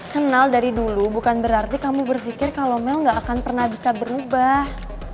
kenal dari dulu bukan berarti kamu berpikir kalau mel gak akan pernah bisa berubah